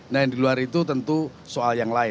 nah yang di luar itu tentu soal yang lain